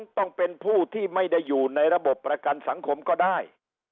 ต้องเป็นผู้ที่ไม่ได้อยู่ในระบบประกันสังคมก็ได้